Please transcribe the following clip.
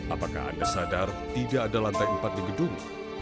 apakah anda sadar tidak ada lantai empat di gedung